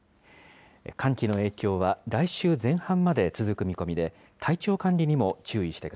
寒気の影響は来週前半まで続く見込みで、体調管理にも注意してく